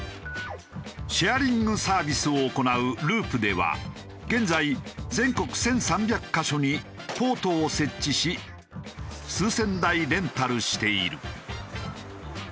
シェアリングサービスを行うＬｕｕｐでは現在全国１３００カ所にポートを設置し数千台レンタルしている。